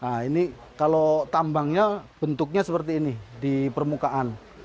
nah ini kalau tambangnya bentuknya seperti ini di permukaan